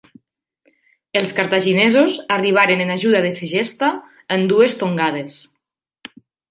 Els cartaginesos arribaren en ajuda de Segesta en dues tongades.